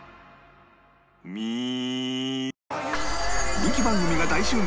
人気番組が大集合！